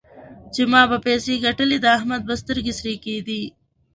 چې ما به پيسې ګټلې؛ د احمد به سترګې سرې کېدې.